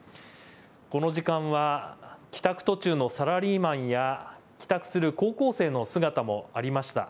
この時間は帰宅途中のサラリーマンや帰宅する高校生の姿もありました。